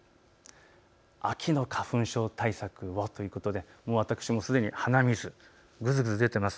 秋の花粉症対策をということで私もすでに鼻水、むずむず、出ています。